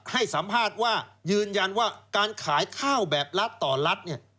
ให้สัมภาษณ์ว่ายืนยันว่าการขายข้าวแบบรัฐต่อรัฐเนี่ย